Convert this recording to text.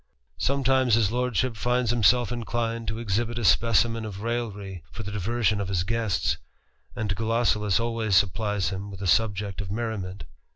Sometimes his lordship ids himself inclined to exhibit a specimen of raillery for le diversion of his guests, and Gulosulus always supplies m with a subject of merriment.